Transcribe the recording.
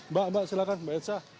mbak mbak silakan mbak edsa